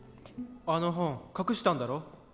あの本隠したんだろ？